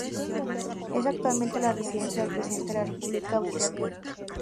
Es actualmente la residencia del presidente de la República austriaca.